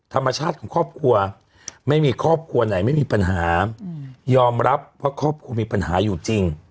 ธรรมชาติของครอบครัวไม่มีครอบครัวไหนไม่มีปัญหายอมรับว่าครอบครัวมีปัญหาอยู่จริง